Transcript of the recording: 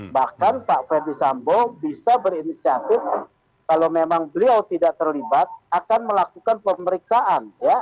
bahkan pak ferdisambo bisa berinisiatif kalau memang beliau tidak terlibat akan melakukan pemeriksaan